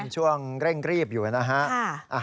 ช่วงเร่งรีบอยู่นะฮะ